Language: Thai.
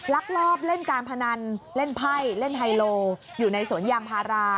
ลักลอบเล่นการพนันเล่นไพ่เล่นไฮโลอยู่ในสวนยางพารา